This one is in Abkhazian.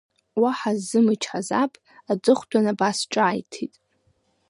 Уаҳа ззымычҳаз аб, аҵыхәтәан абас ҿааиҭит…